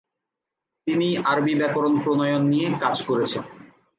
তিনি আরবী ব্যাকরণ প্রণয়ন নিয়ে কাজ করেছেন।